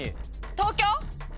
東京？